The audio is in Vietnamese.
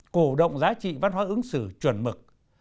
cổ động giá trị văn hóa ứng xử chuẩn mực